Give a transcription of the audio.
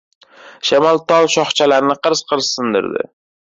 Shamol tol shoxchalarni qirs-qirs sindirdi.